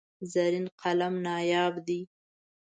زرین قلم نایاب دی.